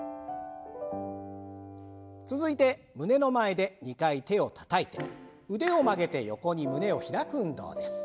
続いて胸の前で２回手をたたいて腕を曲げて横に胸を開く運動です。